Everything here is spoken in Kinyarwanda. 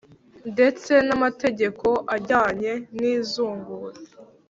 ndetse n’amategeko ajyanye n’izungura